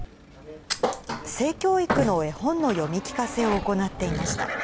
性教育の絵本の読み聞かせを行っていました。